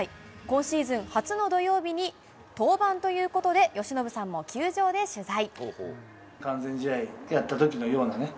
今シーズン初の土曜日に登板ということで由伸さんも球場で取材。